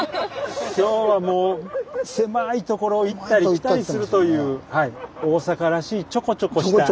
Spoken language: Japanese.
今日はもう狭いところを行ったり来たりするというちょこちょこした。